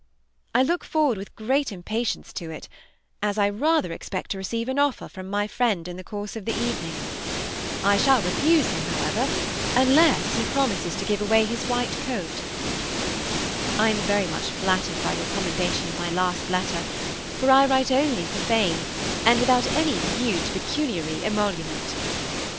I look forward with great impatience to it, as I rather expect to receive an offer from my friend in the course of the evening. I shall refuse him, however, unless he promises to give away his white coat. I am very much flattered by your commendation of my last letter, for I write only for fame, and without any view to pecuniary emolument.